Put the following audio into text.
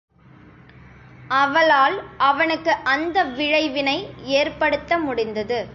அவளால் அவனுக்கு அந்த விழைவினை ஏற்படுத்த முடிந்தது.